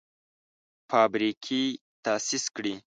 فابریکې تاسیس کړي.